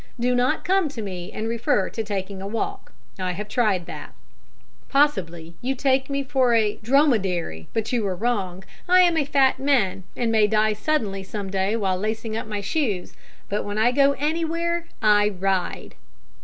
Do not come to me and refer to taking a walk: I have tried that. Possibly you take me for a dromedary; but you are wrong. I am a fat man, and may die suddenly some day while lacing up my shoes, but when I go anywhere I ride."